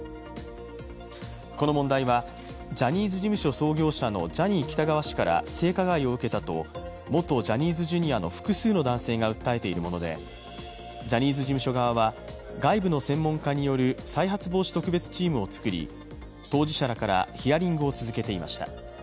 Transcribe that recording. この問題はジャニーズ事務所創業者のジャニー喜多川氏から性加害を受けたと元ジャニーズＪｒ．の複数の男性が訴えているものでジャニーズ事務所側は外部の専門家らによる再発防止特別チームを作り当事者らからヒアリングを続けていました。